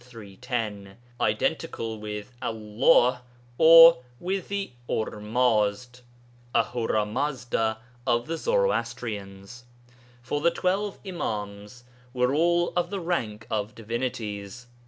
310).] identical with Allah or with the Ormazd (Ahura Mazda) of the Zoroastrians. For the twelve Imāms were all of the rank of divinities.